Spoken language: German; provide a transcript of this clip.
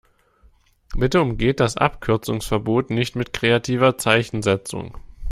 Bitte umgeht das Abkürzungsverbot nicht mit kreativer Zeichensetzung!